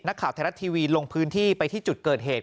ข่าวไทยรัฐทีวีลงพื้นที่ไปที่จุดเกิดเหตุ